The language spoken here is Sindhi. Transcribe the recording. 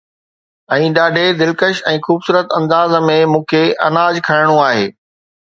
۽ ڏاڍي دلڪش ۽ خوبصورت انداز ۾ مون کي اناج کڻڻو آهي